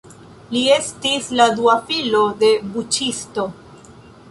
Li estis la dua filo de buĉisto.